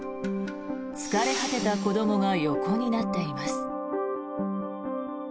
疲れ果てた子どもが横になっています。